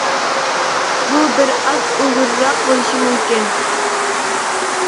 بۇ بىر ئاز ئۇزۇنراق بولۇشى مۇمكىن.